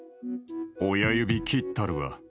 親指切ったるわ。